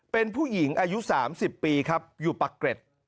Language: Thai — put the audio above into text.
เป็นผู้หญิงอายุ๓๐ปีครับอยู่ปักเกร็ด